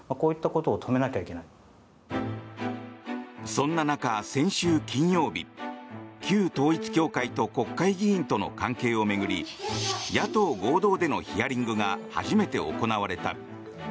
そんな中、先週金曜日旧統一教会と国会議員との関係を巡り野党合同でのヒアリングが初めて行われた。